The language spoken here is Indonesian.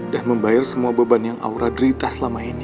dan membayar semua beban yang aura derita selama ini